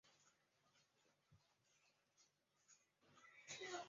宜兰县礁溪乡二龙村成为兰阳汉人最早居住开发的地区。